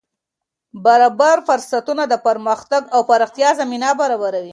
برابر فرصتونه د پرمختګ او پراختیا زمینه برابروي.